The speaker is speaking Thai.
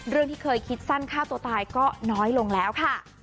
เรื่องที่เคยคิดสั้นฆ่าตัวตายก็น้อยลงแล้วค่ะ